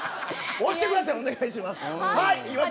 押してください、お願いします。